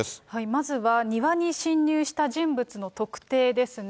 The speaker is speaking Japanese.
まずは庭に侵入した人物の特定ですね。